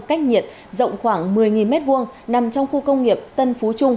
cách nhiệt rộng khoảng một mươi m hai nằm trong khu công nghiệp tân phú trung